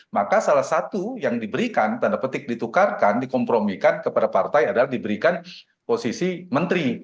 maka salah satu yang diberikan tanda petik ditukarkan dikompromikan kepada partai adalah diberikan posisi menteri